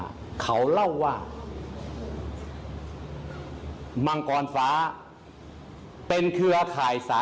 มังกรฟ้าเป็นเครือข่ายที่มังกรฟ้ามังกรฟ้าเป็นเครือข่ายที่มังกรฟ้า